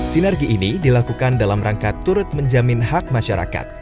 sinergi ini dilakukan dalam rangka turut menjamin hak masyarakat